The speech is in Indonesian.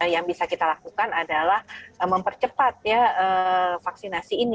yang bisa kita lakukan adalah mempercepat vaksinasi